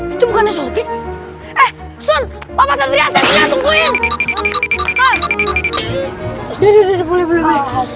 itu bukan sopi eh